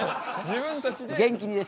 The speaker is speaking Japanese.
自分たちで。